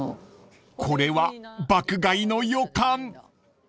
［これは爆買いの予感］